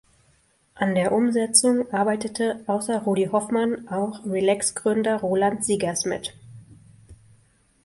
An der Umsetzung arbeitete außer Rudi Hoffmann auch Relaxx-Gründer Roland Siegers mit.